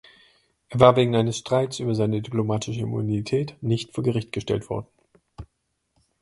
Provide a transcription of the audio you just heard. Er war wegen eines Streits über seine diplomatische Immunität nicht vor Gericht gestellt worden.